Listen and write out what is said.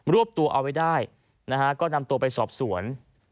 รวมตัวเอาไว้ได้น้ำตัวนักการไปสอบสวน